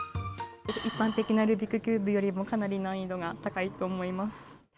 一般的なルービックキューブよりも、かなり難易度が高いと思います。